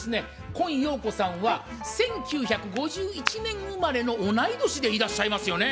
今陽子さんは１９５１年生まれの同い年でいらっしゃいますよね。